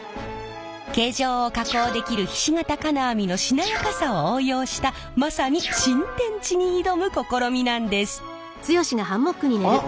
形状を加工できるひし形金網のしなやかさを応用したまさに新天地に挑む試みなんです！